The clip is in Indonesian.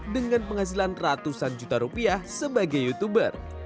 dengan penghasilan ratusan juta rupiah sebagai youtuber